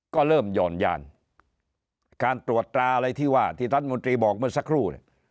ก็เริ่มหย่อนยานการตรวจตราอะไรที่ว่าที่ท่านมนตรีบอกมาสักครู่